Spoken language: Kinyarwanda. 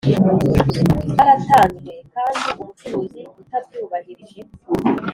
bwaratanzwe kandi umucuruzi utabyubahirije